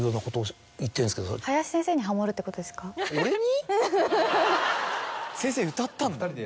俺に？